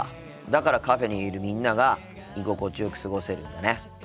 だからカフェにいるみんなが居心地よく過ごせるんだね。